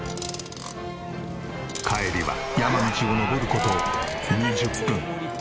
帰りは山道を登る事２０分。